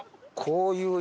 こういう。